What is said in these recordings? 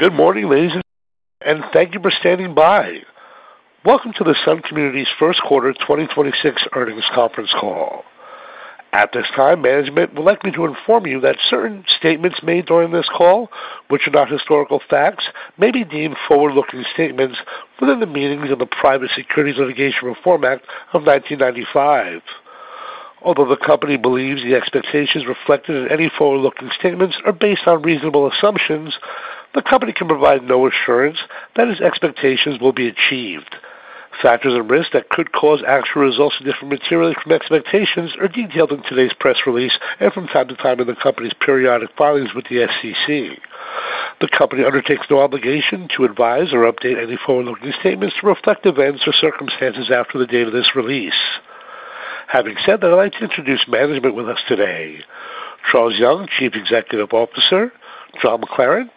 Good morning, ladies and gentlemen, and thank you for standing by. Welcome to the Sun Communities first quarter 2026 earnings conference call. At this time, management would like me to inform you that certain statements made during this call, which are not historical facts, may be deemed forward-looking statements within the meanings of the Private Securities Litigation Reform Act of 1995. Although the company believes the expectations reflected in any forward-looking statements are based on reasonable assumptions, the company can provide no assurance that its expectations will be achieved. Factors and risks that could cause actual results to differ materially from expectations are detailed in today's press release and from time to time in the company's periodic filings with the SEC. The company undertakes no obligation to advise or update any forward-looking statements to reflect events or circumstances after the date of this release. Having said that, I'd like to introduce management with us today. Charles Young, Chief Executive Officer. John McLaren,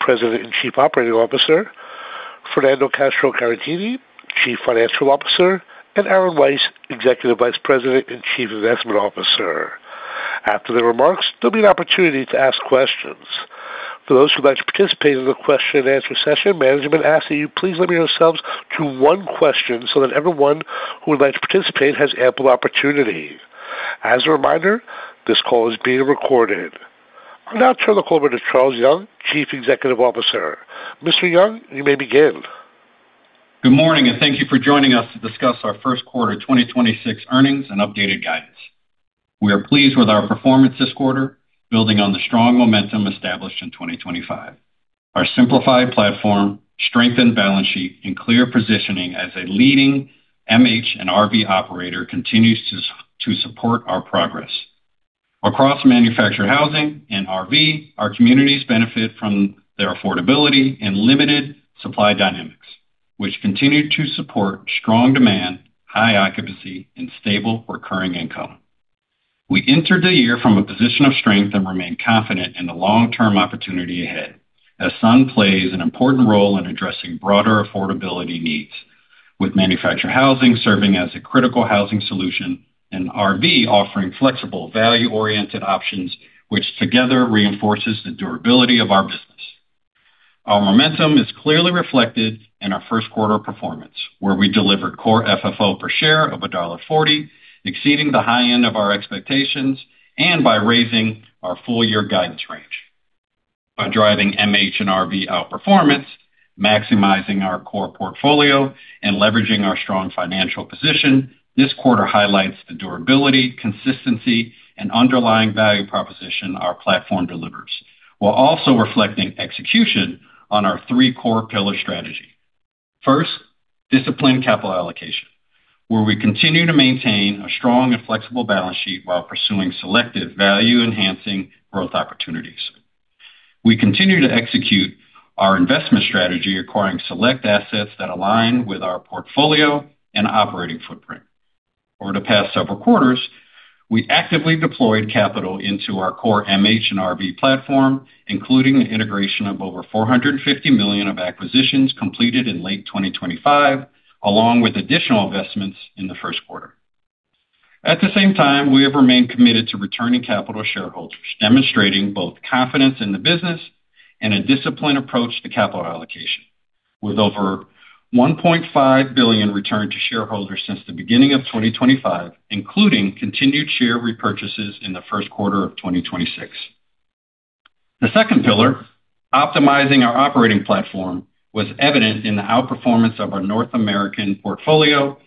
President and Chief Operating Officer. Fernando Castro-Caratini, Chief Financial Officer, and Aaron Weiss, Executive Vice President and Chief Investment Officer. After the remarks, there'll be an opportunity to ask questions. For those who would like to participate in the question-and-answer session, management asks that you please limit yourselves to one question so that everyone who would like to participate has ample opportunity. As a reminder, this call is being recorded. I'll now turn the call over to Charles Young, Chief Executive Officer. Mr. Young, you may begin. Good morning. Thank you for joining us to discuss our first quarter 2026 earnings and updated guidance. We are pleased with our performance this quarter, building on the strong momentum established in 2025. Our simplified platform, strengthened balance sheet, and clear positioning as a leading MH and RV operator continues to support our progress. Across manufactured housing and RV, our communities benefit from their affordability and limited supply dynamics, which continue to support strong demand, high occupancy, and stable recurring income. We entered the year from a position of strength and remain confident in the long-term opportunity ahead as Sun plays an important role in addressing broader affordability needs, with manufactured housing serving as a critical housing solution and RV offering flexible, value-oriented options, which together reinforces the durability of our business. Our momentum is clearly reflected in our first quarter performance, where we delivered Core FFO per share of $1.40, exceeding the high end of our expectations, by raising our full-year guidance range. By driving MH and RV outperformance, maximizing our core portfolio, and leveraging our strong financial position, this quarter highlights the durability, consistency, and underlying value proposition our platform delivers, while also reflecting execution on our three core pillar strategy. First, disciplined capital allocation, where we continue to maintain a strong and flexible balance sheet while pursuing selective value-enhancing growth opportunities. We continue to execute our investment strategy, acquiring select assets that align with our portfolio and operating footprint. Over the past several quarters, we actively deployed capital into our core MH and RV platform, including an integration of over $450 million of acquisitions completed in late 2025, along with additional investments in the first quarter. At the same time, we have remained committed to returning capital to shareholders, demonstrating both confidence in the business and a disciplined approach to capital allocation, with over $1.5 billion returned to shareholders since the beginning of 2025, including continued share repurchases in the first quarter of 2026. The second pillar, optimizing our operating platform, was evident in the outperformance of our North American portfolio,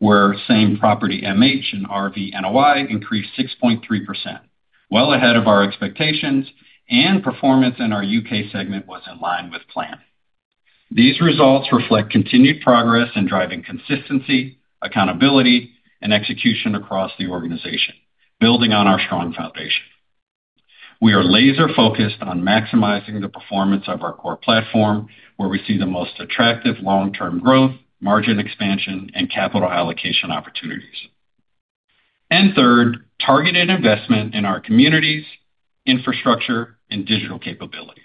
where same-property MH and RV NOI increased 6.3%, well ahead of our expectations, and performance in our U.K. segment was in line with plan. These results reflect continued progress in driving consistency, accountability, and execution across the organization, building on our strong foundation. We are laser-focused on maximizing the performance of our core platform, where we see the most attractive long-term growth, margin expansion, and capital allocation opportunities. Third, targeted investment in our communities, infrastructure, and digital capabilities,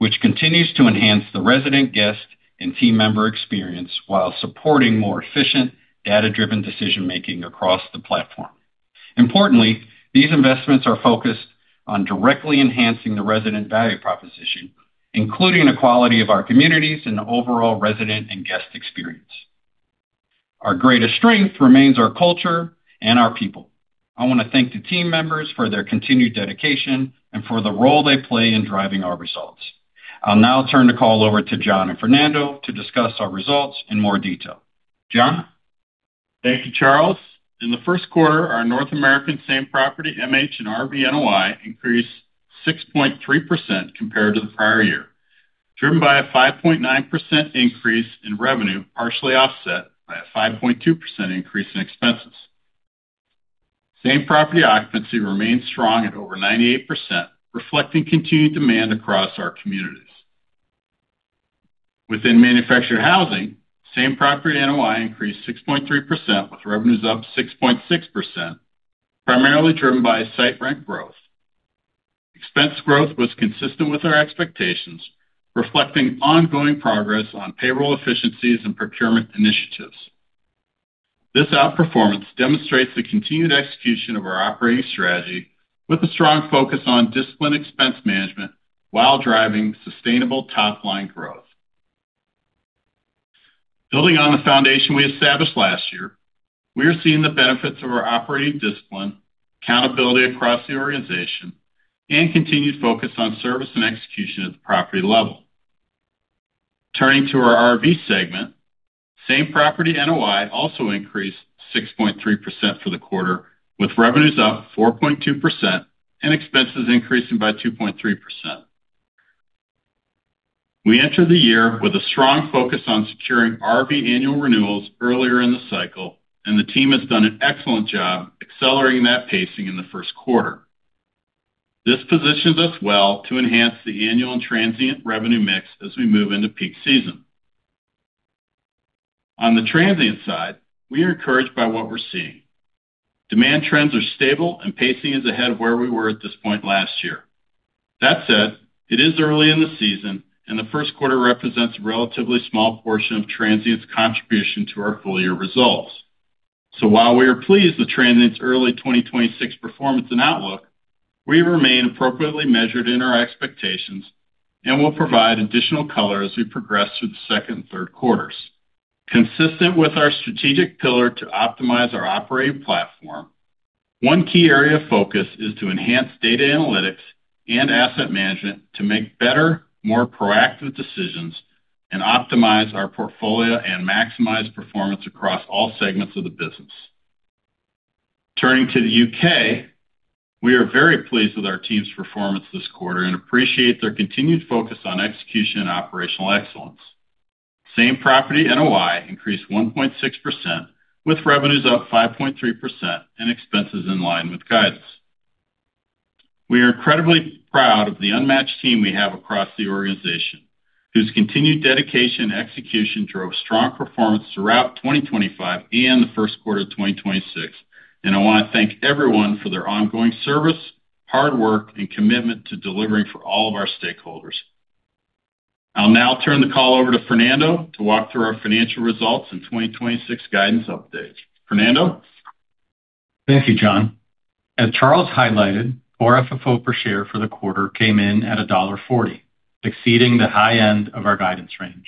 which continues to enhance the resident, guest, and team member experience while supporting more efficient, data-driven decision-making across the platform. Importantly, these investments are focused on directly enhancing the resident value proposition, including the quality of our communities and the overall resident and guest experience. Our greatest strength remains our culture and our people. I wanna thank the team members for their continued dedication and for the role they play in driving our results. I'll now turn the call over to John and Fernando to discuss our results in more detail. John? Thank you, Charles. In the first quarter, our North American same-property MH and RV NOI increased 6.3% compared to the prior year, driven by a 5.9% increase in revenue, partially offset by a 5.2% increase in expenses. Same-property occupancy remains strong at over 98%, reflecting continued demand across our communities. Within manufactured housing, same-property NOI increased 6.3%, with revenues up 6.6%, primarily driven by site rent growth. Expense growth was consistent with our expectations, reflecting ongoing progress on payroll efficiencies and procurement initiatives. This outperformance demonstrates the continued execution of our operating strategy with a strong focus on disciplined expense management while driving sustainable top-line growth. Building on the foundation we established last year, we are seeing the benefits of our operating discipline, accountability across the organization, and continued focus on service and execution at the property level. Turning to our RV segment, same property NOI also increased 6.3% for the quarter, with revenues up 4.2% and expenses increasing by 2.3%. We entered the year with a strong focus on securing RV annual renewals earlier in the cycle, and the team has done an excellent job accelerating that pacing in the first quarter. This positions us well to enhance the annual and transient revenue mix as we move into peak season. On the transient side, we are encouraged by what we're seeing. Demand trends are stable, and pacing is ahead of where we were at this point last year. That said, it is early in the season, and the first quarter represents a relatively small portion of transient's contribution to our full-year results. While we are pleased with transient's early 2026 performance and outlook, we remain appropriately measured in our expectations and will provide additional color as we progress through the second and third quarters. Consistent with our strategic pillar to optimize our operating platform, one key area of focus is to enhance data analytics and asset management to make better, more proactive decisions and optimize our portfolio and maximize performance across all segments of the business. Turning to the U.K., we are very pleased with our team's performance this quarter and appreciate their continued focus on execution and operational excellence. Same property NOI increased 1.6%, with revenues up 5.3% and expenses in line with guidance. We are incredibly proud of the unmatched team we have across the organization, whose continued dedication and execution drove strong performance throughout 2025 and the first quarter of 2026, and I wanna thank everyone for their ongoing service, hard work, and commitment to delivering for all of our stakeholders. I'll now turn the call over to Fernando to walk through our financial results and 2026 guidance update. Fernando? Thank you, John. As Charles highlighted, Core FFO per share for the quarter came in at $1.40, exceeding the high end of our guidance range.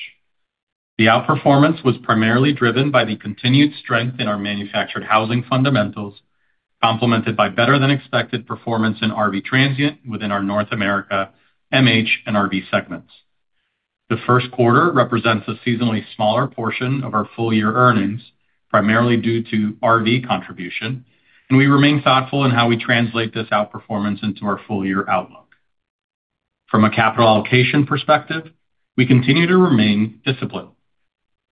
The outperformance was primarily driven by the continued strength in our manufactured housing fundamentals, complemented by better than expected performance in RV transient within our North America MH and RV segments. The first quarter represents a seasonally smaller portion of our full-year earnings, primarily due to RV contribution, and we remain thoughtful in how we translate this outperformance into our full-year outlook. From a capital allocation perspective, we continue to remain disciplined.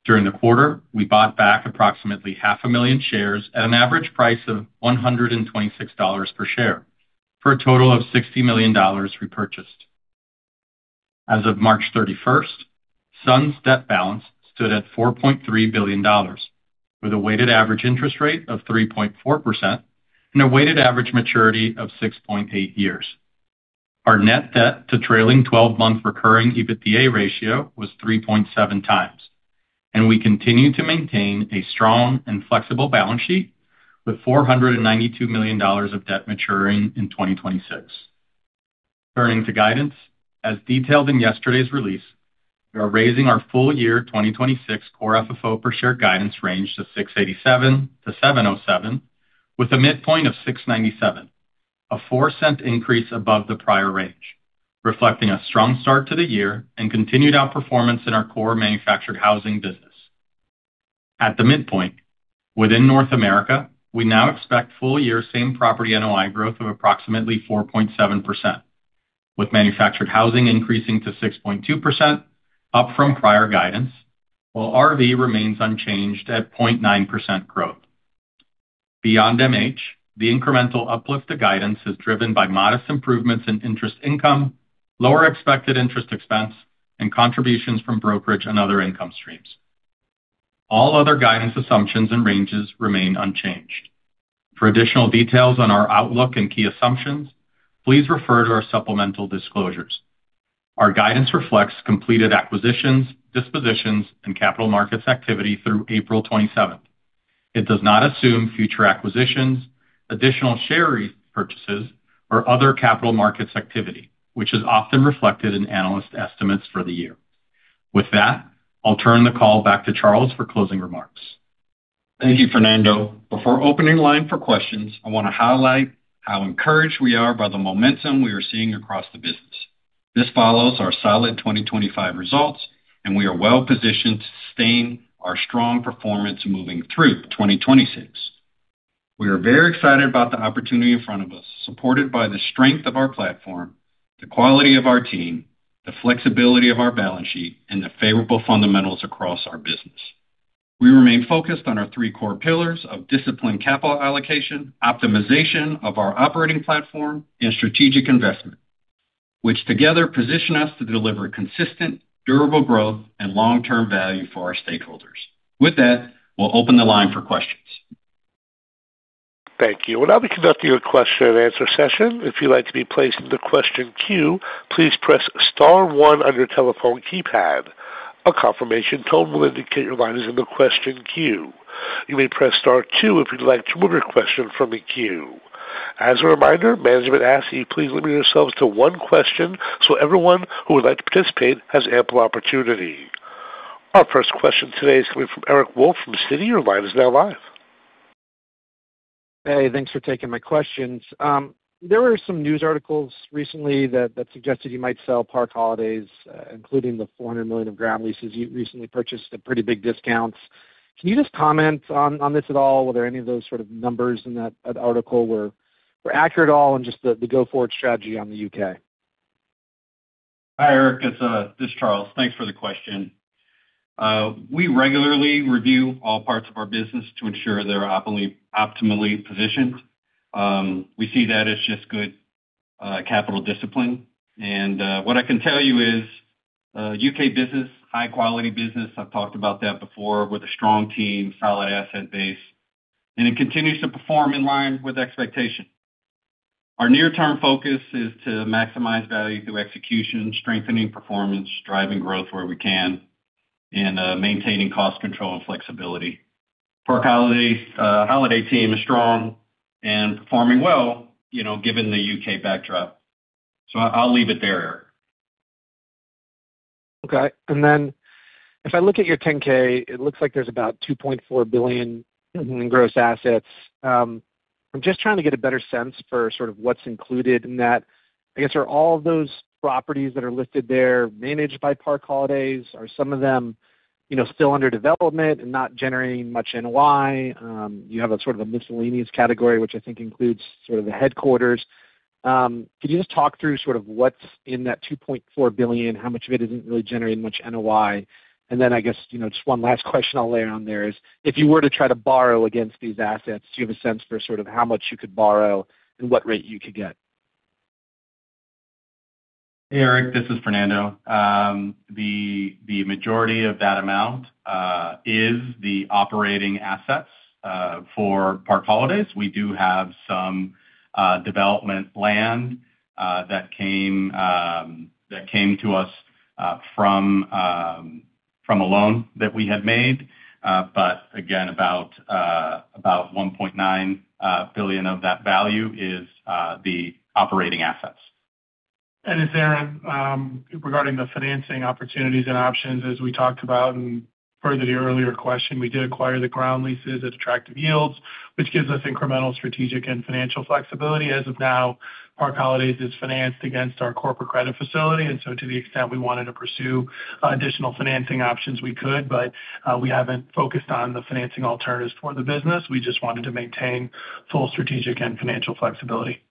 During the quarter, we bought back approximately 500,000 shares at an average price of $126 per share for a total of $60 million repurchased. As of March 31st, SUI's debt balance stood at $4.3 billion, with a weighted average interest rate of 3.4% and a weighted average maturity of 6.8 years. Our net debt to trailing 12-month recurring EBITDA ratio was 3.7x, we continue to maintain a strong and flexible balance sheet with $492 million of debt maturing in 2026. Turning to guidance. As detailed in yesterday's release, we are raising our full-year 2026 Core FFO per share guidance range to $6.87-$7.07, with a midpoint of $6.97, a $0.04 increase above the prior range, reflecting a strong start to the year and continued outperformance in our core manufactured housing business. At the midpoint, within North America, we now expect full-year same property NOI growth of approximately 4.7%, with manufactured housing increasing to 6.2% up from prior guidance, while RV remains unchanged at 0.9% growth. Beyond MH, the incremental uplift to guidance is driven by modest improvements in interest income, lower expected interest expense, and contributions from brokerage and other income streams. All other guidance assumptions and ranges remain unchanged. For additional details on our outlook and key assumptions, please refer to our supplemental disclosures. Our guidance reflects completed acquisitions, dispositions, and capital markets activity through April 27th. It does not assume future acquisitions, additional share repurchases, or other capital markets activity, which is often reflected in analyst estimates for the year. With that, I'll turn the call back to Charles for closing remarks. Thank you, Fernando. Before opening line for questions, I want to highlight how encouraged we are by the momentum we are seeing across the business. This follows our solid 2025 results, and we are well-positioned to sustain our strong performance moving through 2026. We are very excited about the opportunity in front of us, supported by the strength of our platform, the quality of our team, the flexibility of our balance sheet, and the favorable fundamentals across our business. We remain focused on our three core pillars of disciplined capital allocation, optimization of our operating platform, and strategic investment, which together position us to deliver consistent, durable growth and long-term value for our stakeholders. With that, we'll open the line for questions. Thank you. We'll now be conducting a question-and-answer session. If you'd like to be placed in the question queue, please press star one on your telephone keypad. A confirmation tone will indicate your line is in the question queue. You may press star two if you'd like to withdraw your question from the queue. As a reminder, management asks that you please limit yourselves to one question so everyone who would like to participate has ample opportunity. Our first question today is coming from Eric Wolfe from Citi. Your line is now live. Hey, thanks for taking my questions. There were some news articles recently that suggested you might sell Park Holidays, including the $400 million of ground leases you recently purchased at pretty big discounts. Can you just comment on this at all? Were there any of those sort of numbers in that article were accurate at all and just the go forward strategy on the U.K.? Hi, Eric, it's Charles. Thanks for the question. We regularly review all parts of our business to ensure they're optimally positioned. We see that as just good capital discipline. What I can tell you is, U.K. business, high quality business, I've talked about that before, with a strong team, solid asset base, and it continues to perform in line with expectation. Our near-term focus is to maximize value through execution, strengthening performance, driving growth where we can, and maintaining cost control and flexibility. Park Holidays team is strong and performing well, you know, given the U.K. backdrop. I'll leave it there. Okay. Then if I look at your 10-K, it looks like there's about $2.4 billion in gross assets. I'm just trying to get a better sense for sort of what's included in that. I guess, are all of those properties that are listed there managed by Park Holidays? Are some of them, you know, still under development and not generating much NOI? You have a sort of a miscellaneous category, which I think includes sort of the headquarters. Could you just talk through sort of what's in that $2.4 billion, how much of it isn't really generating much NOI? I guess, you know, just one last question I'll layer on there is, if you were to try to borrow against these assets, do you have a sense for sort of how much you could borrow and what rate you could get? Eric, this is Fernando. The majority of that amount is the operating assets for Park Holidays. We do have some development land that came to us from a loan that we had made. But again, about $1.9 billion of that value is the operating assets. Regarding the financing opportunities and options, as we talked about in further the earlier question, we did acquire the ground leases at attractive yields, which gives us incremental strategic and financial flexibility. As of now, Park Holidays is financed against our corporate credit facility, to the extent we wanted to pursue additional financing options, we could, we haven't focused on the financing alternatives for the business. We just wanted to maintain full strategic and financial flexibility.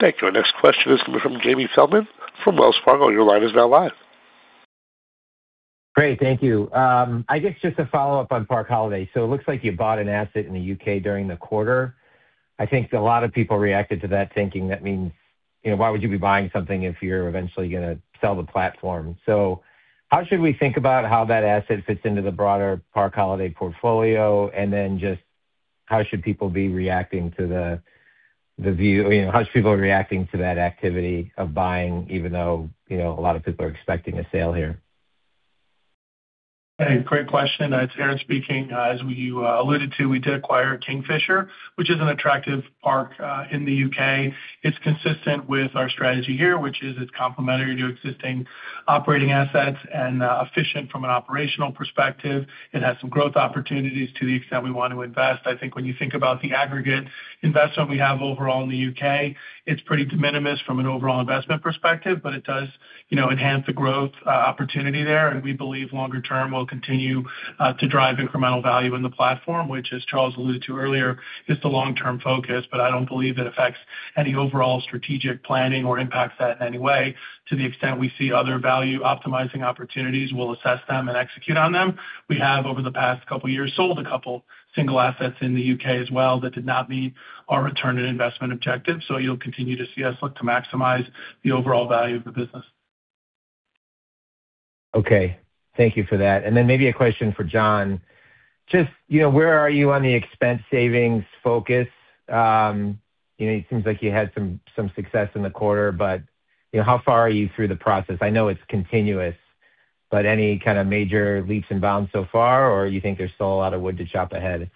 Thank you. Our next question is coming from James Feldman from Wells Fargo. Your line is now live. Great. Thank you. I guess just a follow-up on Park Holidays U.K. It looks like you bought an asset in the U.K. during the quarter. I think a lot of people reacted to that, thinking that means, you know, why would you be buying something if you're eventually gonna sell the platform? How should we think about how that asset fits into the broader Park Holidays U.K. portfolio? Just how should people be reacting to the view, you know, how should people be reacting to that activity of buying, even though, you know, a lot of people are expecting a sale here? Hey, great question. It's Aaron speaking. As we alluded to, we did acquire Kingfisher, which is an attractive park in the U.K. It's consistent with our strategy here, which is it's complementary to existing operating assets and efficient from an operational perspective. It has some growth opportunities to the extent we want to invest. I think when you think about the aggregate investment we have overall in the U.K., it's pretty de minimis from an overall investment perspective, but it does, you know, enhance the growth opportunity there. We believe longer term will continue to drive incremental value in the platform, which as Charles alluded to earlier, is the long-term focus. I don't believe it affects any overall strategic planning or impacts that in any way. To the extent we see other value optimizing opportunities, we'll assess them and execute on them. We have, over the past couple of years, sold a couple single assets in the U.K. as well that did not meet our return on investment objective. You'll continue to see us look to maximize the overall value of the business. Okay. Thank you for that. Maybe a question for John. You know, where are you on the expense savings focus? You know, it seems like you had some success in the quarter, but, you know, how far are you through the process? I know it's continuous, but any kind of major leaps and bounds so far, or you think there's still a lot of wood to chop ahead?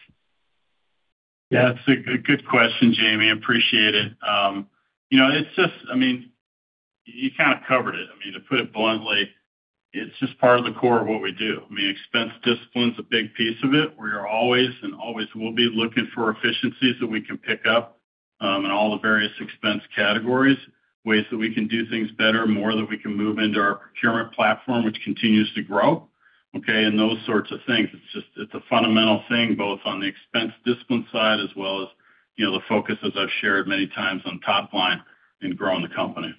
Yeah, it's a good question, James. Appreciate it. You know, I mean, you kind of covered it. I mean, to put it bluntly, it's just part of the core of what we do. I mean, expense discipline's a big piece of it. We are always and always will be looking for efficiencies that we can pick up in all the various expense categories, ways that we can do things better, more that we can move into our procurement platform, which continues to grow. Okay, those sorts of things. It's just, it's a fundamental thing, both on the expense discipline side as well as, you know, the focus, as I've shared many times, on top line in growing the company.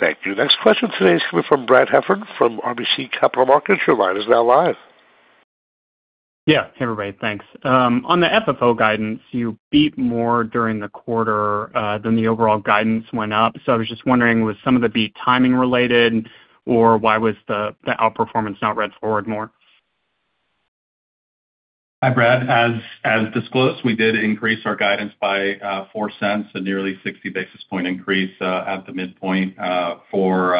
Thank you. Next question today is coming from Brad Heffern from RBC Capital Markets. Your line is now live. Yeah. Hey, Brad. Thanks. On the FFO guidance, you beat more during the quarter, than the overall guidance went up. I was just wondering, was some of the beat timing related, or why was the outperformance not read forward more? Hi, Brad. As disclosed, we did increase our guidance by $0.04, a nearly 60 basis point increase at the midpoint for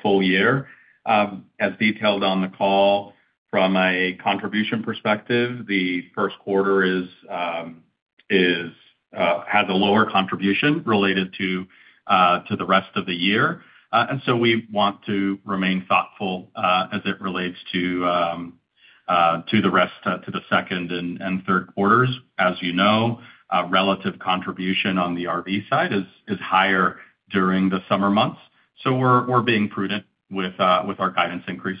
full year. As detailed on the call from a contribution perspective, the first quarter has a lower contribution related to the rest of the year. So we want to remain thoughtful as it relates to the second and third quarters. As you know, relative contribution on the RV side is higher during the summer months. We're being prudent with our guidance increase.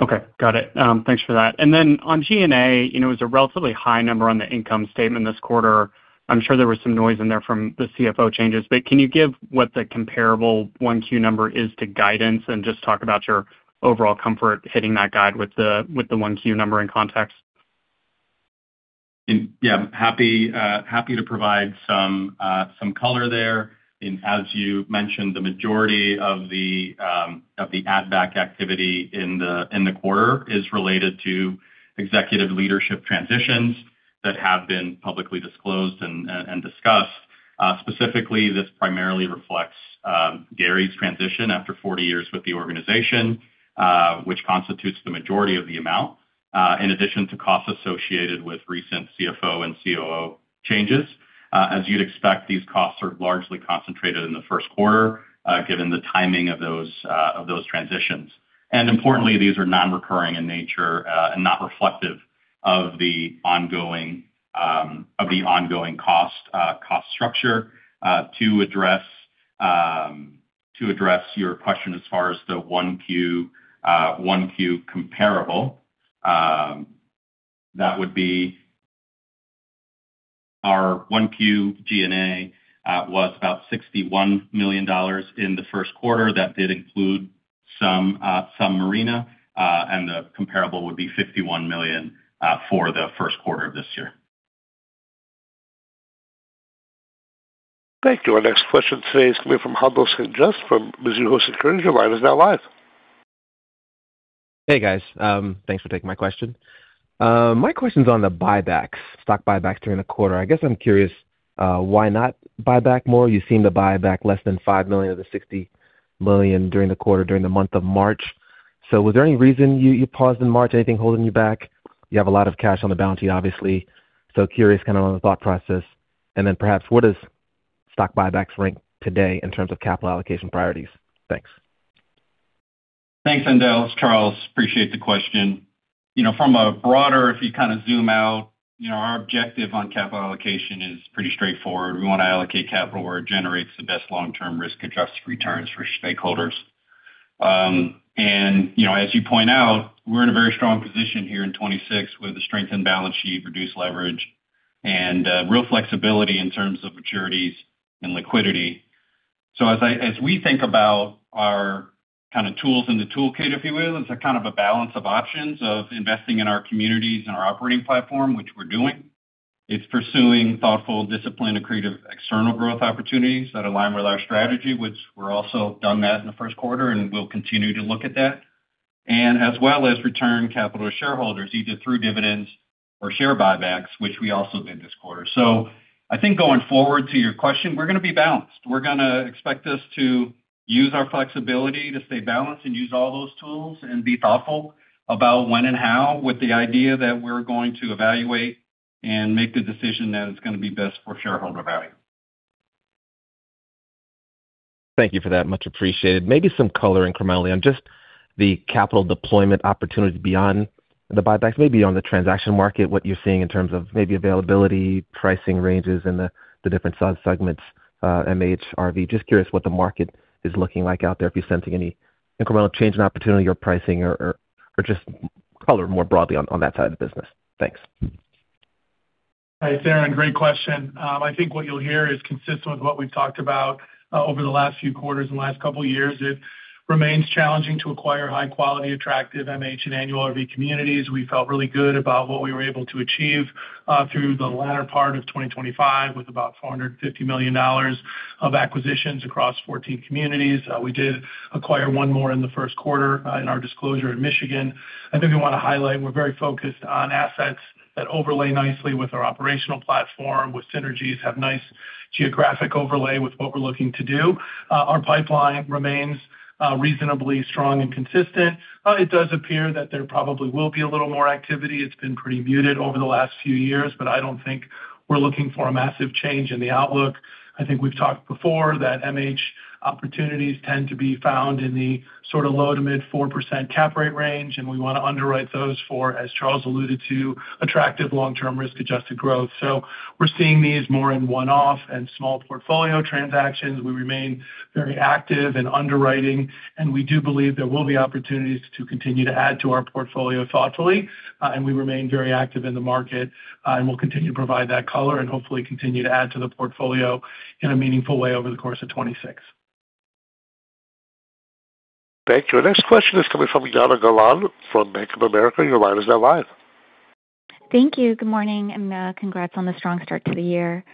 Okay. Got it. Thanks for that. On G&A, you know, it was a relatively high number on the income statement this quarter. I'm sure there was some noise in there from the CFO changes. Can you give what the comparable 1Q number is to guidance and just talk about your overall comfort hitting that guide with the, with the 1Q number in context? Yeah. Happy to provide some color there. As you mentioned, the majority of the adback activity in the quarter is related to executive leadership transitions that have been publicly disclosed and discussed. Specifically, this primarily reflects Gary's transition after 40 years with the organization, which constitutes the majority of the amount, in addition to costs associated with recent CFO and COO changes. As you'd expect, these costs are largely concentrated in the first quarter, given the timing of those transitions. Importantly, these are non-recurring in nature, and not reflective of the ongoing cost structure. To address your question as far as the 1Q comparable, that would be our 1Q G&A, was about $61 million in the first quarter. That did include some marina, and the comparable would be $51 million for the first quarter of this year. Thank you. Our next question today is coming from Haendel St. Juste from Mizuho Securities. Your line is now live. Hey, guys. Thanks for taking my question. My question's on the buybacks, stock buybacks during the quarter. I guess I'm curious, why not buy back more? You seem to buy back less than $5 million of the $60 million during the quarter, during the month of March. Was there any reason you paused in March? Anything holding you back? You have a lot of cash on the books, obviously. Curious on the thought process. Perhaps what does stock buybacks rank today in terms of capital allocation priorities? Thanks. Thanks, Haendel. It's Charles. Appreciate the question. You know, from a broader, if you kind of zoom out, you know, our objective on capital allocation is pretty straightforward. We want to allocate capital where it generates the best long-term risk-adjusted returns for stakeholders. You know, as you point out, we're in a very strong position here in 2026 with a strengthened balance sheet, reduced leverage, and real flexibility in terms of maturities and liquidity. As we think about our kind of tools in the toolkit, if you will, it's a kind of a balance of options of investing in our communities and our operating platform, which we're doing. It's pursuing thoughtful, disciplined, accretive external growth opportunities that align with our strategy, which we're also done that in the first quarter, and we'll continue to look at that. As well as return capital to shareholders, either through dividends or share buybacks, which we also did this quarter. I think going forward, to your question, we're gonna be balanced. We're gonna expect us to use our flexibility to stay balanced and use all those tools and be thoughtful about when and how, with the idea that we're going to evaluate and make the decision that is gonna be best for shareholder value. Thank you for that. Much appreciated. Maybe some color incrementally on just the capital deployment opportunities beyond the buybacks, maybe on the transaction market, what you're seeing in terms of maybe availability, pricing ranges in the different subsegments, MH, RV. Just curious what the market is looking like out there, if you're sensing any incremental change in opportunity or pricing or just color more broadly on that side of the business. Thanks. Hi, it's Aaron. Great question. I think what you'll hear is consistent with what we've talked about over the last few quarters and the last couple years. It remains challenging to acquire high quality, attractive MH and annual RV communities. We felt really good about what we were able to achieve through the latter part of 2025, with about $450 million of acquisitions across 14 communities. We did acquire one more in the first quarter in our disclosure in Michigan. I think we wanna highlight we're very focused on assets that overlay nicely with our operational platform, with synergies, have nice geographic overlay with what we're looking to do. Our pipeline remains reasonably strong and consistent. It does appear that there probably will be a little more activity. It's been pretty muted over the last few years, but I don't think we're looking for a massive change in the outlook. I think we've talked before that MH opportunities tend to be found in the sort of low to mid 4% cap rate range, and we want to underwrite those for, as Charles alluded to, attractive long-term risk-adjusted growth. We're seeing these more in one-off and small portfolio transactions. We remain very active in underwriting, and we do believe there will be opportunities to continue to add to our portfolio thoughtfully. We remain very active in the market, and we'll continue to provide that color and hopefully continue to add to the portfolio in a meaningful way over the course of 2026. Thank you. Our next question is coming from Jana Galan from Bank of America. Your line is now live. Thank you. Good morning, and congrats on the strong start to the year.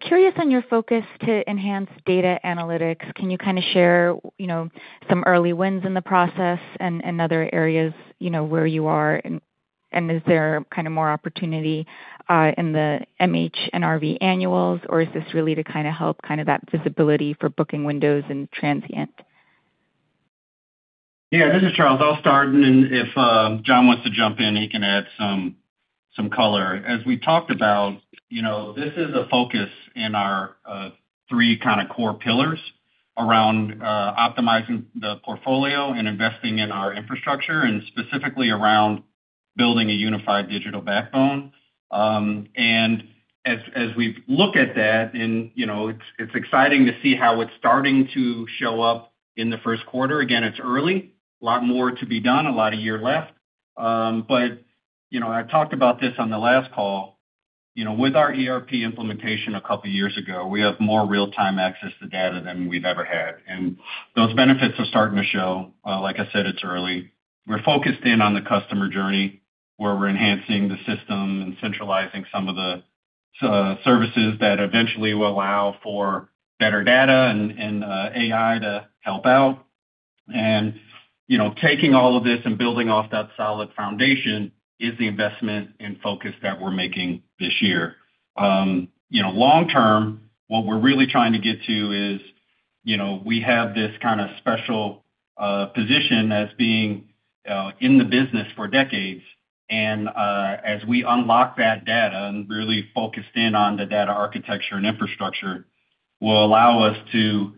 Curious on your focus to enhance data analytics. Can you kind of share, you know, some early wins in the process and other areas, you know, where you are and is there kind of more opportunity in the MH and RV annuals, or is this really to kind of help kind of that visibility for booking windows and transient? Yeah, this is Charles. I'll start, and then if John wants to jump in, he can add some color. As we talked about, you know, this is a focus in our three kind of core pillars around optimizing the portfolio and investing in our infrastructure and specifically around building a unified digital backbone. As we've looked at that and, you know, it's exciting to see how it's starting to show up in the first quarter. Again, it's early. A lot more to be done, a lot of year left. You know, I talked about this on the last call. You know, with our ERP implementation a couple years ago, we have more real-time access to data than we've ever had. Those benefits are starting to show. Like I said, it's early. We're focused in on the customer journey, where we're enhancing the system and centralizing some of the services that eventually will allow for better data and AI to help out. You know, taking all of this and building off that solid foundation is the investment and focus that we're making this year. You know, long term, what we're really trying to get to is, you know, we have this kind of special position as being in the business for decades. As we unlock that data and really focused in on the data architecture and infrastructure, will allow us to,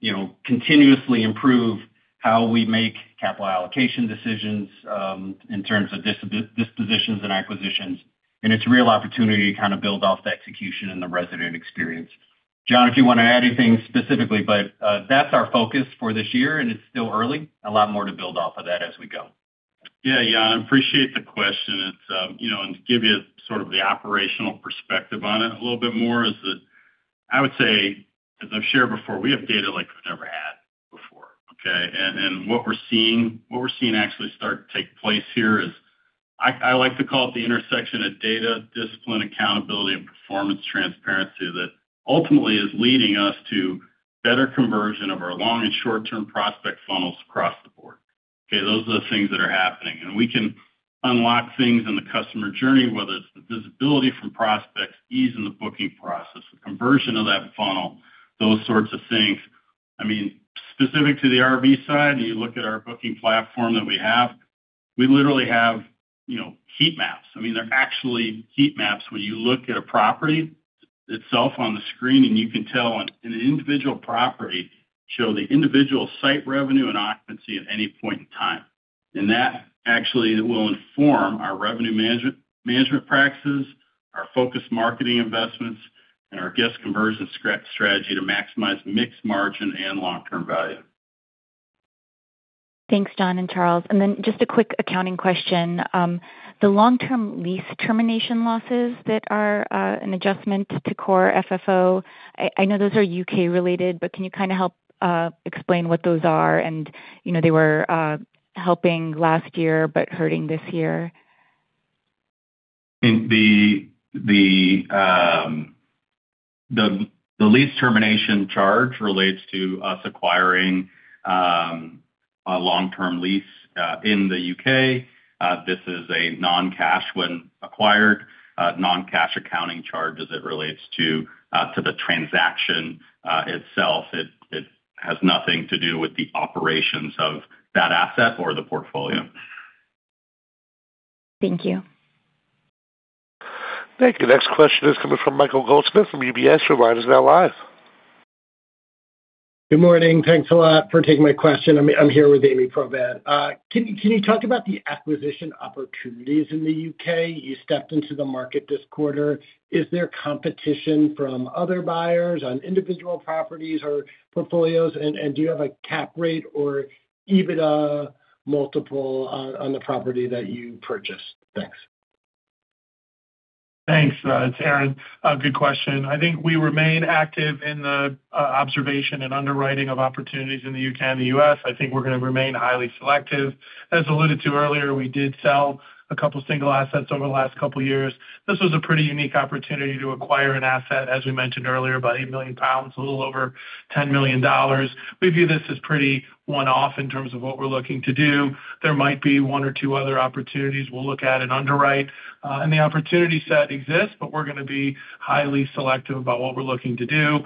you know, continuously improve how we make capital allocation decisions in terms of dispositions and acquisitions. It's a real opportunity to kind of build off the execution and the resident experience. John, if you wanna add anything specifically, but, that's our focus for this year, and it's still early. A lot more to build off of that as we go. Yeah, Jana, appreciate the question. It's, you know, to give you sort of the operational perspective on it a little bit more is that I would say, as I've shared before, we have data like we've never had before, okay? What we're seeing actually start to take place here is I like to call it the intersection of data, discipline, accountability, and performance transparency that ultimately is leading us to better conversion of our long and short-term prospect funnels across the board. Okay, those are the things that are happening. We can unlock things in the customer journey, whether it's the visibility from prospects, ease in the booking process, the conversion of that funnel, those sorts of things. I mean, specific to the RV side, you look at our booking platform that we have, we literally have, you know, heat maps. I mean, they're actually heat maps. When you look at a property itself on the screen, and you can tell on an individual property, show the individual site revenue and occupancy at any point in time. That actually will inform our revenue management practices, our focused marketing investments, and our guest conversion strategy to maximize mixed margin and long-term value. Thanks, John and Charles. Just a quick accounting question? The long-term lease termination losses that are an adjustment to Core FFO, I know those are U.K. related, but can you kinda help explain what those are? You know, they were helping last year but hurting this year. In the lease termination charge relates to us acquiring a long-term lease in the U.K. This is a non-cash when acquired, non-cash accounting charge as it relates to the transaction itself. It has nothing to do with the operations of that asset or the portfolio. Thank you. Thank you. Next question is coming from Michael Goldsmith from UBS. Your line is now live. Good morning. Thanks a lot for taking my question. I'm here with Amy Provat. Can you talk about the acquisition opportunities in the U.K.? You stepped into the market this quarter. Is there competition from other buyers on individual properties or portfolios? Do you have a cap rate or EBITDA multiple on the property that you purchased? Thanks. Thanks, it's Aaron. Good question. I think we remain active in the observation and underwriting of opportunities in the U.K. and the U.S. I think we're gonna remain highly selective. As alluded to earlier, we did sell a couple single assets over the last couple years. This was a pretty unique opportunity to acquire an asset, as we mentioned earlier, about 8 million pounds, a little over $10 million. We view this as pretty one-off in terms of what we're looking to do. There might be one or two other opportunities we'll look at and underwrite. The opportunity set exists, but we're gonna be highly selective about what we're looking to do.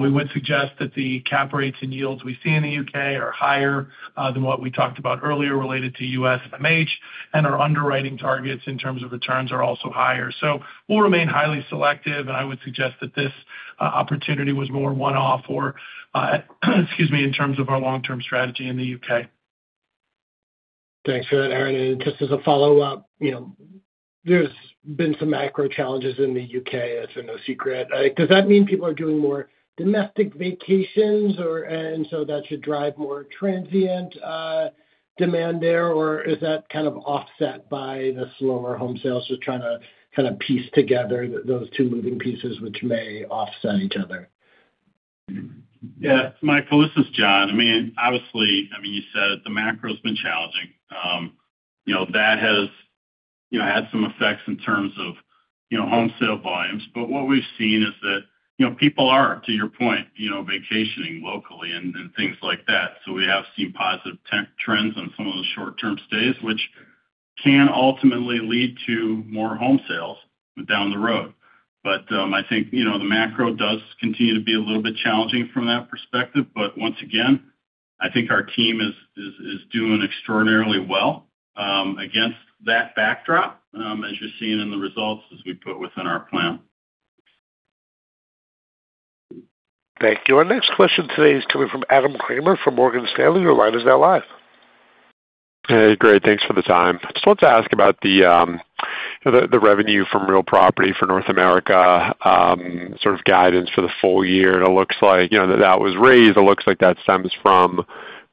We would suggest that the cap rates and yields we see in the U.K. are higher than what we talked about earlier related to U.S. MH, and our underwriting targets in terms of returns are also higher. We'll remain highly selective, and I would suggest that this opportunity was more one-off or, excuse me, in terms of our long-term strategy in the U.K. Thanks for that, Aaron. Just as a follow-up, you know, there's been some macro challenges in the U.K. It's no secret. Does that mean people are doing more domestic vacations or that should drive more transient?... demand there, or is that kind of offset by the slower home sales? Just trying to kind of piece together those two moving pieces which may offset each other. Yeah, Mike, well, this is John. I mean, obviously, I mean, you said it, the macro's been challenging. You know, that has, you know, had some effects in terms of, you know, home sale volumes. What we've seen is that, you know, people are, to your point, you know, vacationing locally and things like that. We have seen positive trends on some of those short-term stays, which can ultimately lead to more home sales down the road. I think, you know, the macro does continue to be a little bit challenging from that perspective. Once again, I think our team is doing extraordinarily well against that backdrop as you're seeing in the results as we put within our plan. Thank you. Our next question today is coming from Adam Kramer from Morgan Stanley. Your line is now live. Hey, great, thanks for the time. Just wanted to ask about the revenue from real property for North America, sort of guidance for the full year. It looks like, you know, that was raised, it looks like that stems from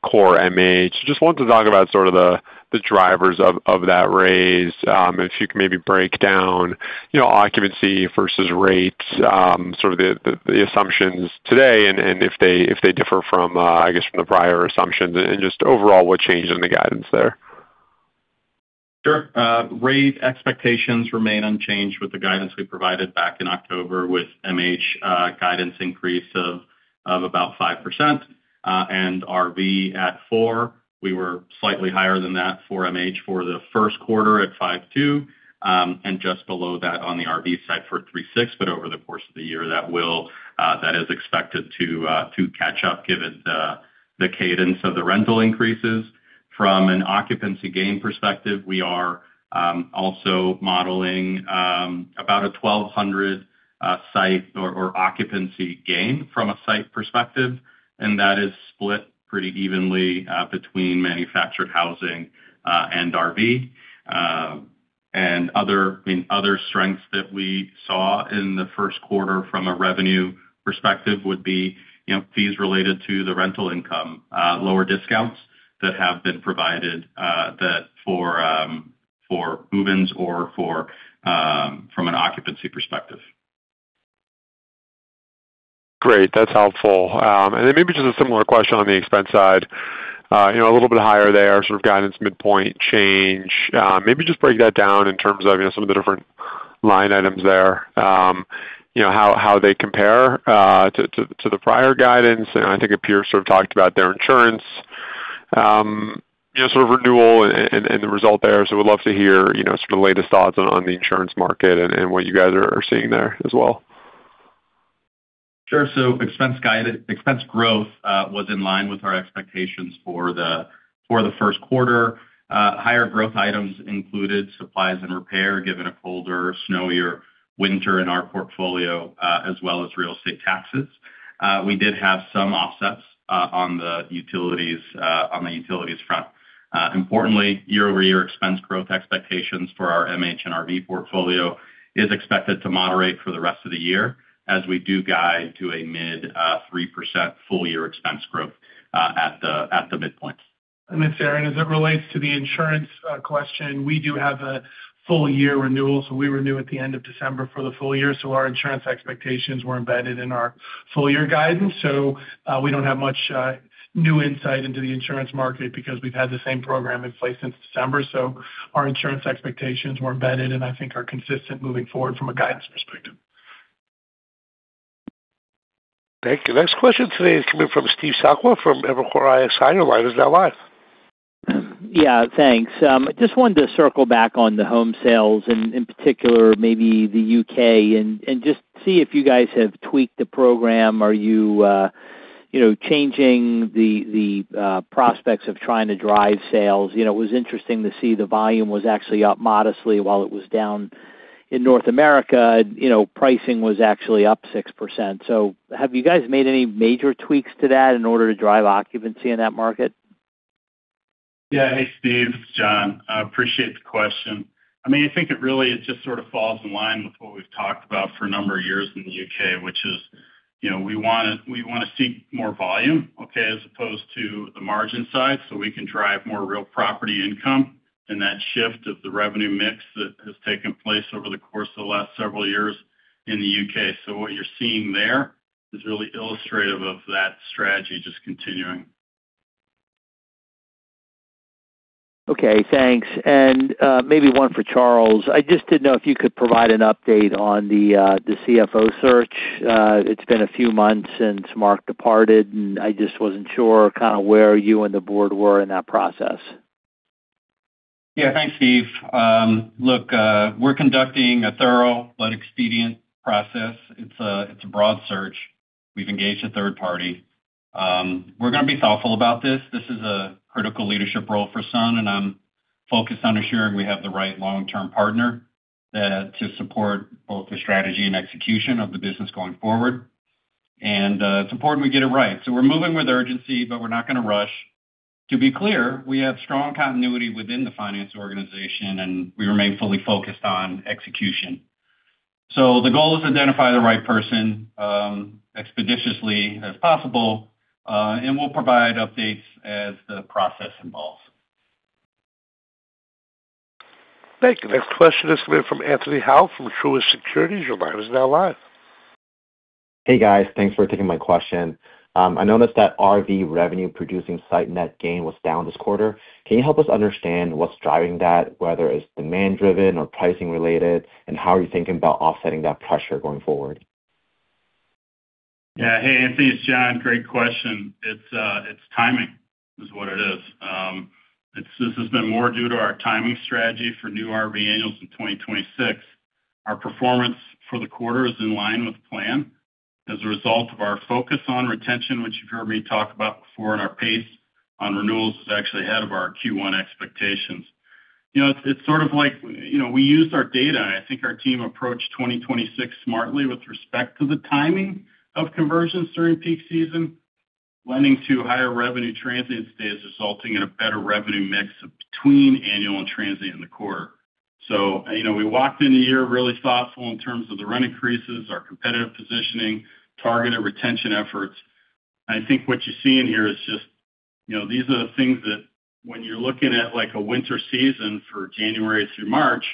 core MH. Just wanted to talk about sort of the drivers of that raise, if you could maybe break down, you know, occupancy versus rates, sort of the assumptions today and if they differ from, I guess, from the prior assumptions and just overall what changed in the guidance there. Sure. Rate expectations remain unchanged with the guidance we provided back in October with MH guidance increase of about 5%, and RV at 4%. We were slightly higher than that for MH for the first quarter at 5.2%, and just below that on the RV side for 3.6%. Over the course of the year, that is expected to catch up given the cadence of the rental increases. From an occupancy gain perspective, we are also modeling about a 1,200 site or occupancy gain from a site perspective, and that is split pretty evenly between manufactured housing and RV. Other, I mean, other strengths that we saw in the first quarter from a revenue perspective would be, you know, fees related to the rental income, lower discounts that have been provided, that for move-ins or for, from an occupancy perspective. Great. That's helpful. Maybe just a similar question on the expense side. You know, a little bit higher there, sort of guidance midpoint change. Maybe just break that down in terms of, you know, some of the different line items there. You know, how they compare to the prior guidance. I think a peer sort of talked about their insurance, you know, sort of renewal and the result there. Would love to hear, you know, sort of latest thoughts on the insurance market and what you guys are seeing there as well. Sure. Expense growth was in line with our expectations for the first quarter. Higher growth items included supplies and repair, given a colder, snowier winter in our portfolio, as well as real estate taxes. We did have some offsets on the utilities front. Importantly, year-over-year expense growth expectations for our MH and RV portfolio is expected to moderate for the rest of the year, as we do guide to a mid 3% full-year expense growth at the midpoint. Aaron, as it relates to the insurance question, we do have a full year renewal, we renew at the end of December for the full year. Our insurance expectations were embedded in our full year guidance. We don't have much new insight into the insurance market because we've had the same program in place since December. Our insurance expectations were embedded and I think are consistent moving forward from a guidance perspective. Thank you. Next question today is coming from Steve Sakwa from Evercore ISI. Your line is now live. Yeah, thanks. Just wanted to circle back on the home sales, in particular, maybe the U.K. and just see if you guys have tweaked the program. Are you know, changing the prospects of trying to drive sales? You know, it was interesting to see the volume was actually up modestly while it was down in North America. You know, pricing was actually up 6%. Have you guys made any major tweaks to that in order to drive occupancy in that market? Yeah. Hey, Steve, it's John. I appreciate the question. I mean, I think it really, it just sort of falls in line with what we've talked about for a number of years in the U.K., which is, you know, we wanna, we wanna see more volume, okay, as opposed to the margin side, so we can drive more real property income and that shift of the revenue mix that has taken place over the course of the last several years in the U.K. What you're seeing there is really illustrative of that strategy just continuing. Okay, thanks. Maybe one for Charles. I just didn't know if you could provide an update on the CFO search? It's been a few months since Mark departed, and I just wasn't sure kind of where you and the board were in that process? Yeah. Thanks, Steve. Look, we're conducting a thorough but expedient process. It's a broad search. We've engaged a third party. We're gonna be thoughtful about this. This is a critical leadership role for Sun, and I'm focused on ensuring we have the right long-term partner to support both the strategy and execution of the business going forward. It's important we get it right. We're moving with urgency, but we're not gonna rush. To be clear, we have strong continuity within the finance organization, and we remain fully focused on execution. The goal is to identify the right person expeditiously as possible, and we'll provide updates as the process involves. Thank you. Next question is coming from Anthony Howe from Truist Securities. Your line is now live. Hey, guys. Thanks for taking my question. I noticed that RV revenue producing site net gain was down this quarter. Can you help us understand what's driving that, whether it's demand driven or pricing related, and how are you thinking about offsetting that pressure going forward? Yeah. Hey, Anthony, it's John. Great question. It's timing is what it is. This has been more due to our timing strategy for new RV annuals in 2026. Our performance for the quarter is in line with plan as a result of our focus on retention, which you've heard me talk about before, and our pace on renewals is actually ahead of our Q1 expectations. You know, it's sort of like, you know, we used our data, and I think our team approached 2026 smartly with respect to the timing of conversions during peak season, lending to higher revenue transient stays, resulting in a better revenue mix between annual and transient in the quarter. You know, we walked in the year really thoughtful in terms of the rent increases, our competitive positioning, targeted retention efforts. I think what you're seeing here is just, you know, these are the things that when you're looking at, like, a winter season for January through March,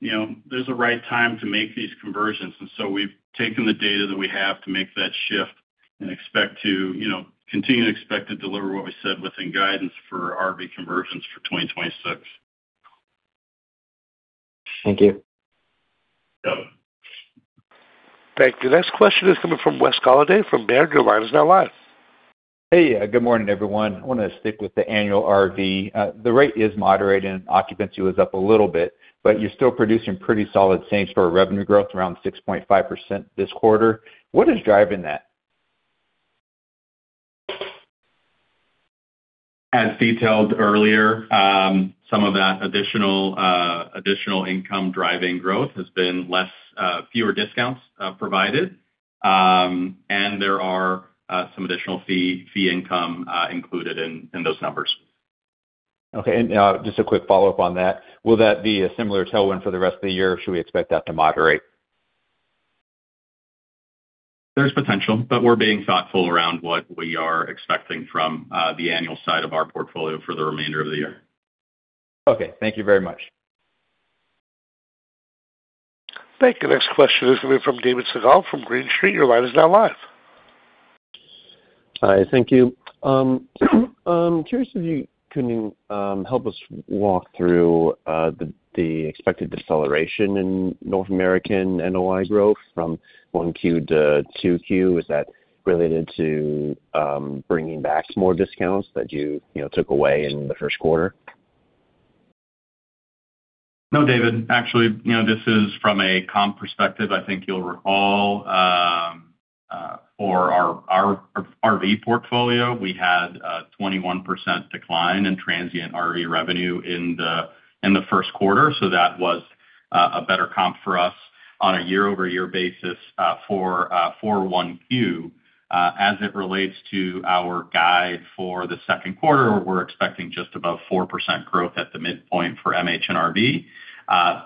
you know, there's a right time to make these conversions. We've taken the data that we have to make that shift and expect to, you know, continue to expect to deliver what we said within guidance for RV conversions for 2026. Thank you. Yeah. Thank you. Next question is coming from Wesley Golladay from Baird. Your line is now live. Hey. Good morning, everyone. I wanna stick with the annual RV. The rate is moderating, occupancy was up a little bit, but you're still producing pretty solid same-store revenue growth around 6.5% this quarter. What is driving that? As detailed earlier, some of that additional additional income driving growth has been less, fewer discounts provided. There are some additional fee income included in those numbers. Okay. Just a quick follow-up on that. Will that be a similar tailwind for the rest of the year, or should we expect that to moderate? There's potential, but we're being thoughtful around what we are expecting from the annual side of our portfolio for the remainder of the year. Okay. Thank you very much. Thank you. Next question is coming from David Segall from Green Street. Your line is now live. Hi. Thank you. Curious can you help us walk through the expected deceleration in North American NOI growth from 1Q to 2Q? Is that related to bringing back some more discounts that you know, took away in the first quarter? No, David. Actually, you know, this is from a comp perspective. I think you'll recall, for our RV portfolio, we had a 21% decline in transient RV revenue in the first quarter. That was a better comp for us on a year-over-year basis for 1Q. As it relates to our guide for the second quarter, we're expecting just above 4% growth at the midpoint for MH and RV.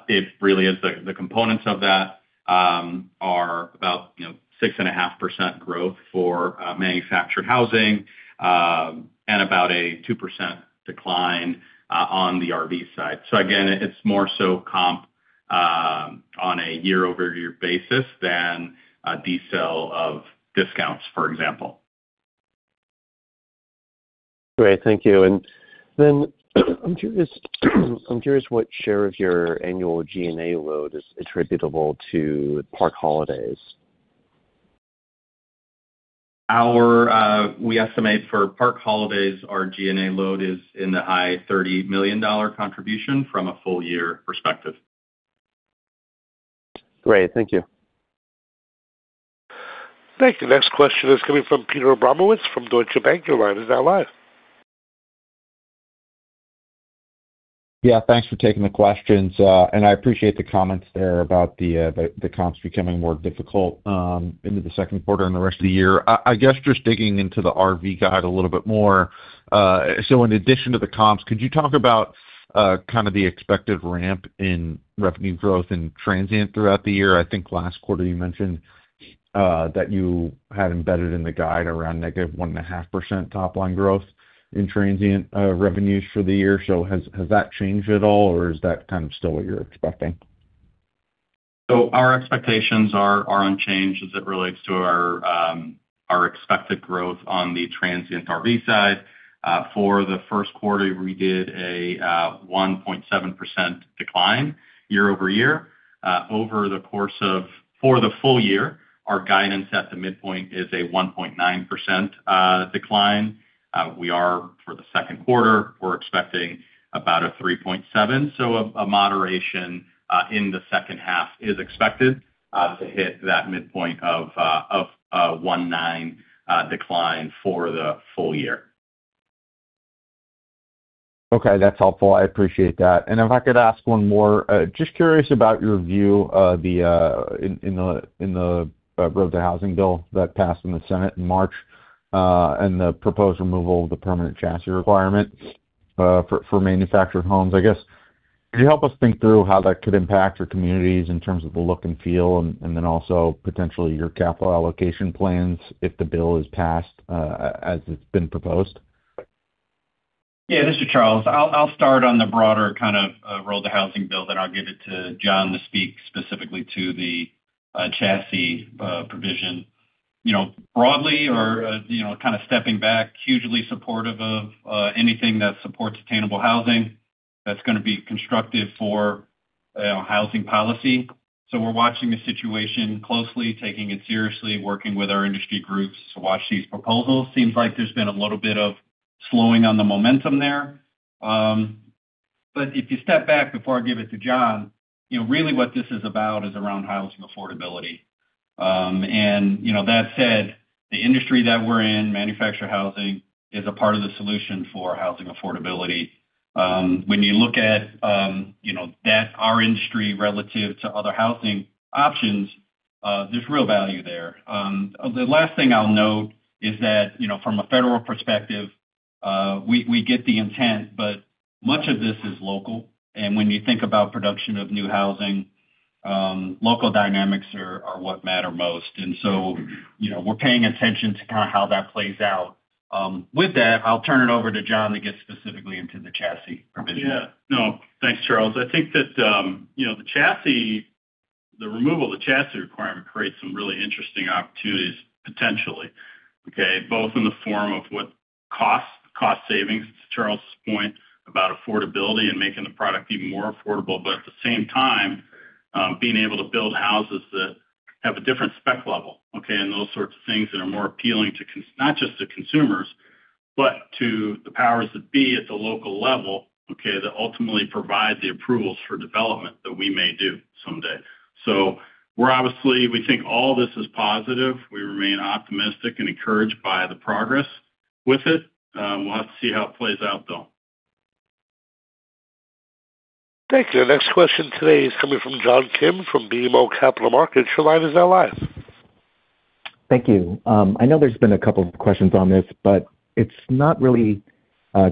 It really is the components of that are about, you know, 6.5% growth for manufactured housing and about a 2% decline on the RV side. Again, it's more so comp on a year-over-year basis than a decel of discounts, for example. Great. Thank you. Then I'm curious what share of your annual G&A load is attributable to Park Holidays. Our, we estimate for Park Holidays, our G&A load is in the high $30 million contribution from a full year perspective. Great. Thank you. Thank you. Next question is coming from Peter Abramowitz from Deutsche Bank. Your line is now live. Yeah. Thanks for taking the questions. I appreciate the comments there about the comps becoming more difficult into the second quarter and the rest of the year. I guess just digging into the RV guide a little bit more. In addition to the comps, could you talk about kind of the expected ramp in revenue growth in transient throughout the year? I think last quarter you mentioned that you had embedded in the guide around -1.5% top-line growth in transient revenues for the year. Has that changed at all, or is that kind of still what you're expecting? Our expectations are unchanged as it relates to our expected growth on the transient RV side. For the first quarter, we did a 1.7% decline year-over-year. For the full year, our guidance at the midpoint is a 1.9% decline. For the second quarter, we're expecting about a 3.7. A moderation in the second half is expected to hit that midpoint of 1.9 decline for the full year. Okay. That's helpful. I appreciate that. If I could ask one more. Just curious about your view of the road to housing bill that passed in the Senate in March and the proposed removal of the permanent chassis requirement for manufactured homes. I guess, could you help us think through how that could impact your communities in terms of the look and feel and then also potentially your capital allocation plans if the bill is passed as it's been proposed? Yeah, this is Charles. I'll start on the broader kind of road to housing bill, I'll give it to John to speak specifically to the chassis provision. You know, broadly or, you know, kind of stepping back, hugely supportive of anything that supports attainable housing that's gonna be constructive for, you know, housing policy. We're watching the situation closely, taking it seriously, working with our industry groups to watch these proposals. Seems like there's been a little bit of slowing on the momentum there. If you step back, before I give it to John, you know, really what this is about is around housing affordability. You know, that said, the industry that we're in, manufactured housing, is a part of the solution for housing affordability. When you look at, you know, that our industry relative to other housing options, there's real value there. The last thing I'll note is that, you know, from a federal perspective, we get the intent, but much of this is local. When you think about production of new housing, local dynamics are what matter most. You know, we're paying attention to kind of how that plays out. With that, I'll turn it over to John to get specifically into the chassis provision. No. Thanks, Charles. I think that, you know, The removal of the chassis requirement creates some really interesting opportunities potentially, okay? Both in the form of what costs, cost savings, to Charles' point about affordability and making the product even more affordable, at the same time, being able to build houses that have a different spec level, okay, and those sorts of things that are more appealing to not just to consumers, but to the powers that be at the local level, okay, that ultimately provide the approvals for development that we may do someday. We're obviously, we think all this is positive. We remain optimistic and encouraged by the progress with it. We'll have to see how it plays out, though. Thank you. The next question today is coming from John Kim from BMO Capital Markets. Your line is now live. Thank you. I know there's been a couple of questions on this, but it's not really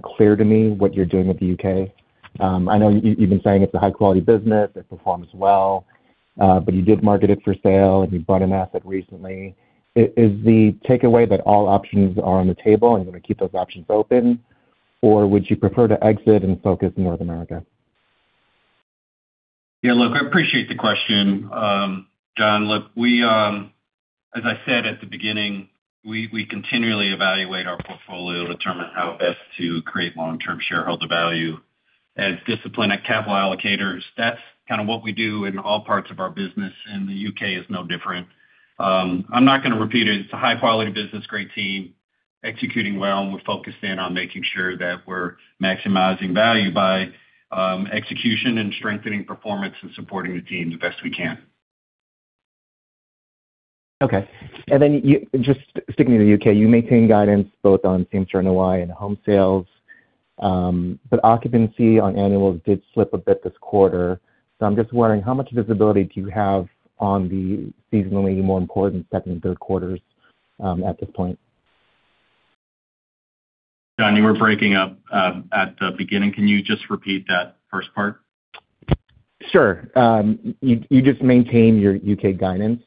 clear to me what you're doing with the U.K. I know you've been saying it's a high-quality business, it performs well, but you did market it for sale, and you bought an asset recently. Is the takeaway that all options are on the table and you're gonna keep those options open? Would you prefer to exit and focus North America? Yeah, look, I appreciate the question. John, look, we, as I said at the beginning, we continually evaluate our portfolio to determine how best to create long-term shareholder value. As disciplined at capital allocators, that's kind of what we do in all parts of our business, the U.K. is no different. I'm not gonna repeat it. It's a high-quality business, great team, executing well, and we're focused in on making sure that we're maximizing value by execution and strengthening performance and supporting the team the best we can. Okay. Just sticking to the U.K., you maintain guidance both on same store NOI and home sales, but occupancy on annuals did slip a bit this quarter. I'm just wondering, how much visibility do you have on the seasonally more important second and third quarters at this point? John, you were breaking up, at the beginning. Can you just repeat that first part? Sure. You just maintained your U.K. guidance,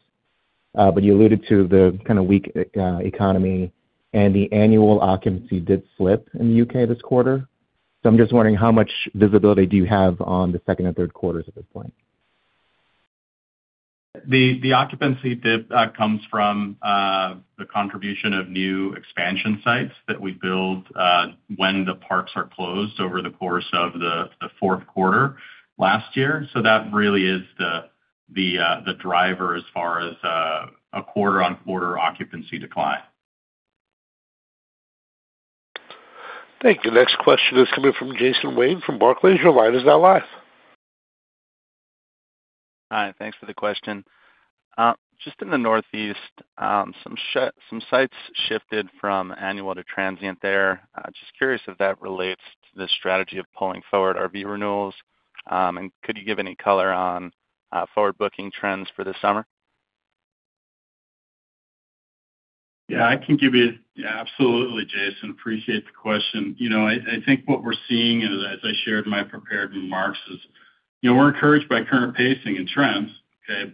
but you alluded to the kind of weak economy and the annual occupancy did slip in the U.K. this quarter. I'm just wondering, how much visibility do you have on the second and third quarters at this point? The occupancy dip comes from the contribution of new expansion sites that we build when the parks are closed over the course of the fourth quarter last year. That really is the driver as far as a quarter-on-quarter occupancy decline. Thank you. The next question is coming from Jason Wayne from Barclays. Your line is now live. Hi, thanks for the question. Just in the Northeast, some sites shifted from annual to transient there. Just curious if that relates to the strategy of pulling forward RV renewals. Could you give any color on forward booking trends for the summer? I can give you. Absolutely, Jason. Appreciate the question. You know, I think what we're seeing, and as I shared in my prepared remarks, is, you know, we're encouraged by current pacing and trends, okay?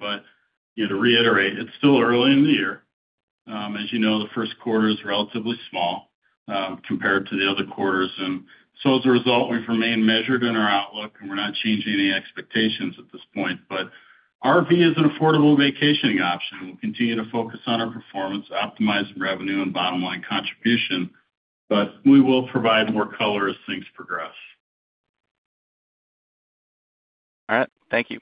You know, to reiterate, it's still early in the year. As you know, the first quarter is relatively small, compared to the other quarters. As a result, we remain measured in our outlook, and we're not changing any expectations at this point. RV is an affordable vacationing option. We'll continue to focus on our performance, optimizing revenue and bottom line contribution, but we will provide more color as things progress. All right. Thank you.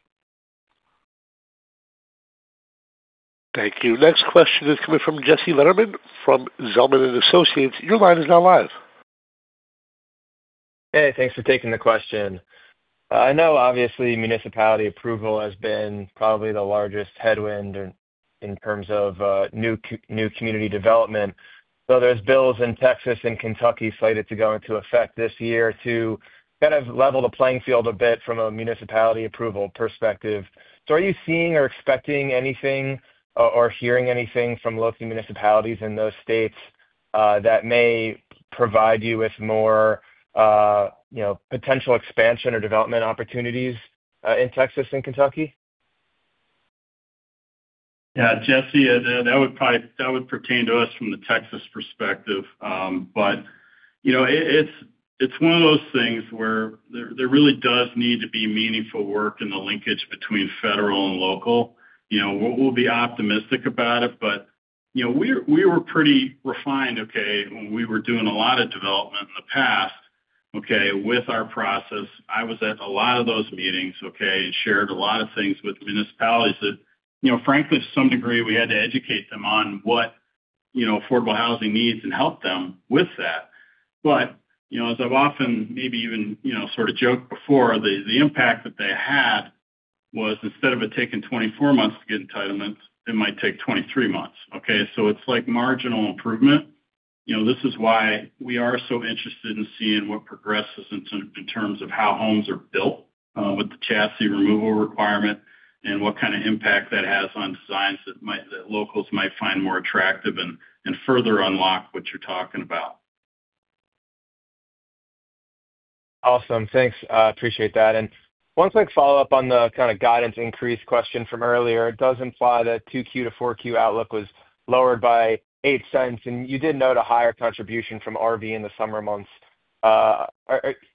Thank you. Next question is coming from Jesse Lederman from Zelman & Associates. Your line is now live. Hey, thanks for taking the question. I know obviously municipality approval has been probably the largest headwind in terms of new community development. There's bills in Texas and Kentucky slated to go into effect this year to kind of level the playing field a bit from a municipality approval perspective. Are you seeing or expecting anything or hearing anything from local municipalities in those states that may provide you with more, you know, potential expansion or development opportunities in Texas and Kentucky? Yeah, Jesse, that would pertain to us from the Texas perspective. You know, it's, it's one of those things where there really does need to be meaningful work in the linkage between federal and local. You know, we'll be optimistic about it, you know, we were pretty refined, okay, when we were doing a lot of development in the past, okay, with our process. I was at a lot of those meetings, okay, shared a lot of things with municipalities that, you know, frankly, to some degree, we had to educate them on what, you know, affordable housing needs and help them with that. You know, as I've often maybe even, you know, sort of joked before, the impact that they had was instead of it taking 24 months to get entitlements, it might take 23 months, okay. It's like marginal improvement. This is why we are so interested in seeing what progresses in terms of how homes are built with the chassis removal requirement and what kind of impact that has on designs that locals might find more attractive and further unlock what you're talking about. Awesome. Thanks. Appreciate that. One quick follow-up on the kind of guidance increase question from earlier. It does imply that 2Q-4Q outlook was lowered by $0.08, and you did note a higher contribution from RV in the summer months.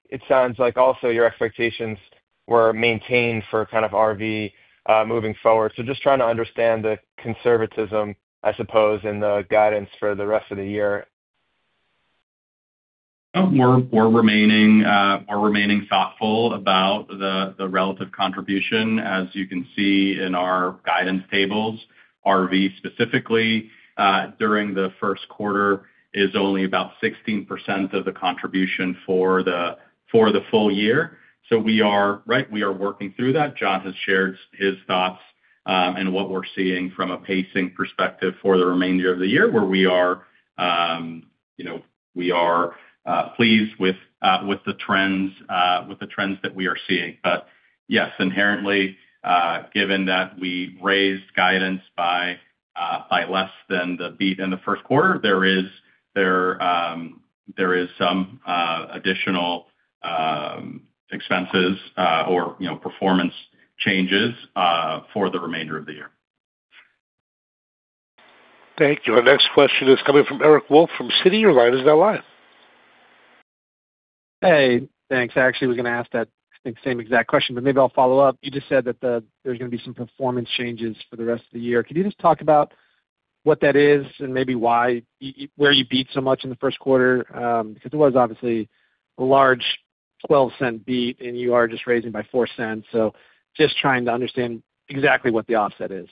It sounds like also your expectations were maintained for kind of RV moving forward. Just trying to understand the conservatism, I suppose, in the guidance for the rest of the year. We're remaining thoughtful about the relative contribution. As you can see in our guidance tables, RV specifically, during the first quarter is only about 16% of the contribution for the full year. We are working through that. John has shared his thoughts, and what we're seeing from a pacing perspective for the remainder of the year, where we are, you know, we are pleased with the trends that we are seeing. Yes, inherently, given that we raised guidance by less than the beat in the first quarter, there is some additional expenses or, you know, performance changes for the remainder of the year. Thank you. Our next question is coming from Eric Wolfe from Citi. Hey, thanks. I actually was gonna ask that, I think, same exact question. Maybe I'll follow up. You just said that there's gonna be some performance changes for the rest of the year. Could you just talk about what that is and maybe why where you beat so much in the first quarter? Because it was obviously a large $0.12 beat, you are just raising by $0.04. Just trying to understand exactly what the offset is.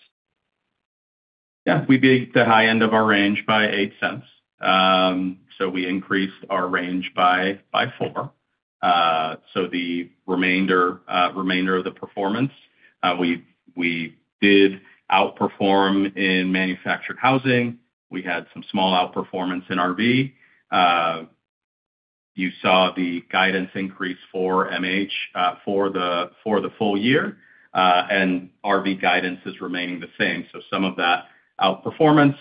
Yeah. We beat the high end of our range by $0.08. We increased our range by four. The remainder of the performance, we did outperform in manufactured housing. We had some small outperformance in RV. You saw the guidance increase for MH for the full year. RV guidance is remaining the same. Some of that outperformance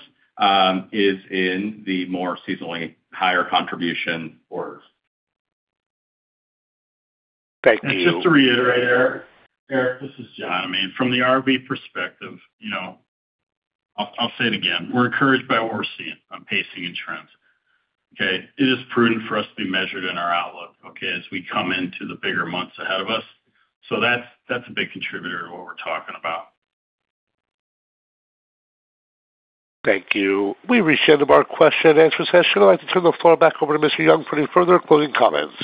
is in the more seasonally higher contribution orders. Thank you. Just to reiterate, Eric. Eric, this is John. I mean, from the RV perspective, you know, I'll say it again, we're encouraged by what we're seeing on pacing and trends, okay? It is prudent for us to be measured in our outlook, okay, as we come into the bigger months ahead of us. That's a big contributor to what we're talking about. Thank you. We've reached the end of our question and answer session. I'd like to turn the floor back over to Mr. Young for any further closing comments.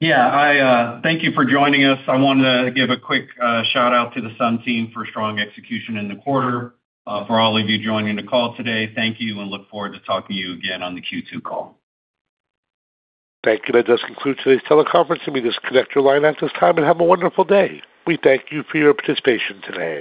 Yeah. Thank you for joining us. I wanna give a quick shout-out to the SUI team for strong execution in the quarter. For all of you joining the call today, thank you, and look forward to talking to you again on the Q2 call. Thank you. That does conclude today's teleconference. You may disconnect your line at this time, and have a wonderful day. We thank you for your participation today.